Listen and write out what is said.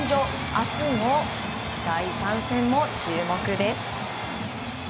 明日の第３戦も注目です。